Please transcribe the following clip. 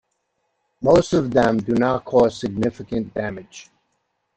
Most of them do not cause significant damage.